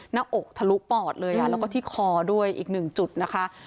หน้าอกทะลุปอดเลยแล้วก็ที่คอด้วยอีกหนึ่งจุดนะคะ